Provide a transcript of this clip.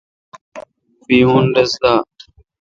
بییون رس دا۔